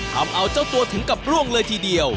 ทำเอาเจ้าตัวถึงกับร่วงเลยทีเดียว